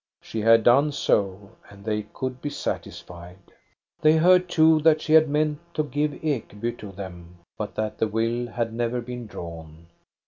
She had done so, and they could be satisfied. They heard, too, that she had meant to give Ekeby to them; but that the will had never been drawn.